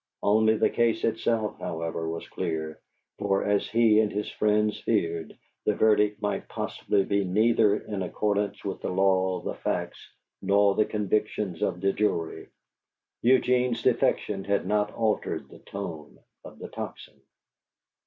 Only the case itself, however, was clear, for, as he and his friends feared, the verdict might possibly be neither in accordance with the law, the facts, nor the convictions of the jury. Eugene's defection had not altered the tone of the Tocsin.